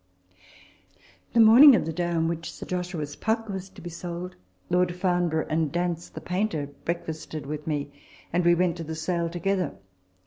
The morning of the day on which Sir Joshua's Puck was to be sold, Lord Farnborough and Dance the painter breakfasted with me ; and we went to the sale together.